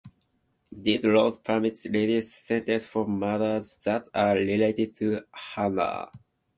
These laws permit reduced sentences for murders that are "related to honour".